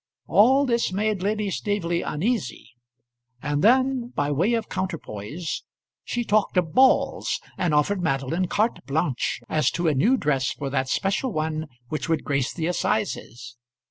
All this made Lady Staveley uneasy; and then, by way of counterpoise, she talked of balls, and offered Madeline carte blanche as to a new dress for that special one which would grace the assizes.